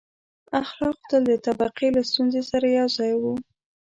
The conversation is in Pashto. • اخلاق تل د طبقې له ستونزې سره یو ځای وو.